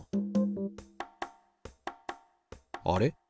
あれ？